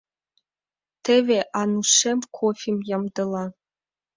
Теве Анушем кофем ямдыла.